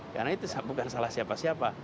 karena itu bukan salah siapa siapa